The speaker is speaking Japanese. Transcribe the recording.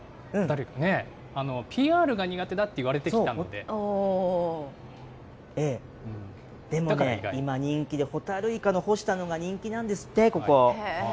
ＰＲが苦手だって言われてきでもホタルイカの干したのが人気なんですって、ここ。